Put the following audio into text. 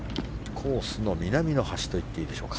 コースの南の端といっていいでしょうか。